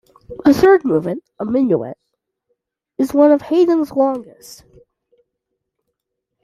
The third movement, a minuet, is one of Haydn's longest.